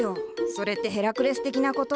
それってヘラクレス的なこと？